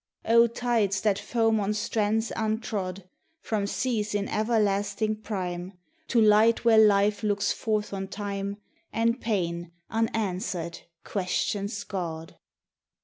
O Tides that foam on strands untrod, From seas in everlasting prime, To light where Life looks forth on Time, And Pain, unanswered, questions God!